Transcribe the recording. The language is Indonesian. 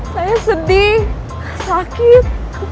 saya sedih sakit